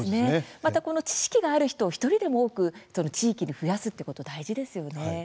また知識がある人を１人でも多く地域に増やすということ大事ですよね。